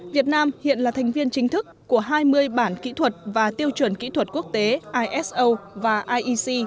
việt nam hiện là thành viên chính thức của hai mươi bản kỹ thuật và tiêu chuẩn kỹ thuật quốc tế iso và iec